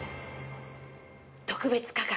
特別価格。